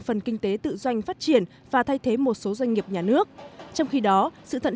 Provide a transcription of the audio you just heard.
phần kinh tế tự do phát triển và thay thế một số doanh nghiệp nhà nước trong khi đó sự thận